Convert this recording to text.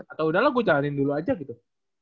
atau udahlah gue jalanin dulu aja gitu